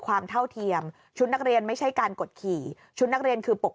เท่าเทียมชุดนักเรียนไม่ใช่การกดขี่ชุดนักเรียนคือปก